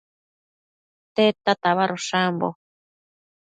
Tedta tabadosh ambo?